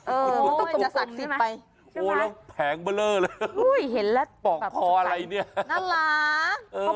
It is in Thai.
เออโอ้โหแล้วแผงเบลอเลยอุ้ยเห็นแล้วปอกคออะไรเนี้ยน่ารัก